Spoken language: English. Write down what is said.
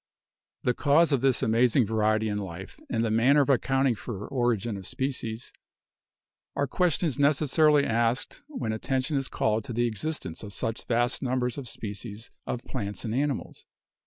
The cause of this amazing variety in life, and the man ner of accounting for origin of species are questions necessarily asked when attention is called to the existence of such vast numbers of species of plants and animals.